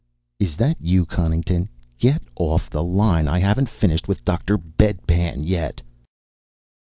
"_Is that you, Connington? Get off the line; I haven't finished with Dr. Bedpan yet.